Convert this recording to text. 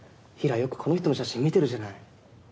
よくこの人の写真見てるじゃない。